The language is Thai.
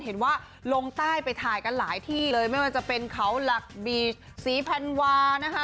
เห็นว่าลงใต้ไปถ่ายกันหลายที่เลยไม่ว่าจะเป็นเขาหลักบีชศรีพันวานะคะ